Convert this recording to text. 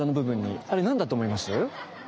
あれ何だと思います？